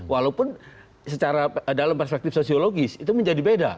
walaupun secara dalam perspektif sosiologis itu menjadi beda